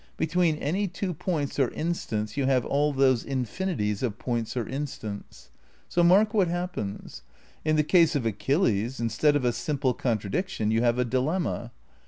Between any two points or instants you have all those infinities of points or instants. So mark what happens. In the case of Achilles, instead of a simple contradiction you have a dilemma.